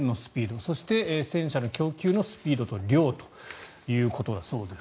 そして、戦車の供給のスピードと量ということだそうです。